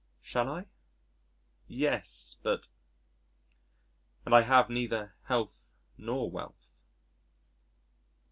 Shall I? Yes, but.... And I have neither health nor wealth.